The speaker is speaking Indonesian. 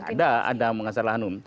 ada ada mengasal anu